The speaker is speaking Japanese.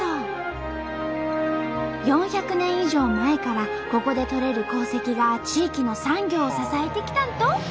以上前からここで採れる鉱石が地域の産業を支えてきたんと！